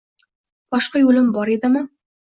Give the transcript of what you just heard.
Boshqa yo`lim bor edimi